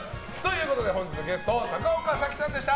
本日のゲスト高岡早紀さんでした！